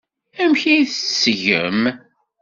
Amek ay t-tettgem?